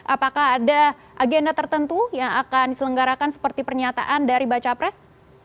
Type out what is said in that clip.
apakah ada agenda tertentu yang akan diselenggarakan seperti pernyataan dari baca pres